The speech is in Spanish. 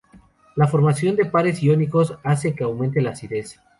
La formación de pares iónicos hace que aumente la acidez.